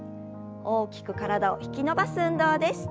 大きく体を引き伸ばす運動です。